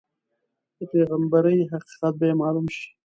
د پیغمبرۍ حقیقت به یې معلوم شي.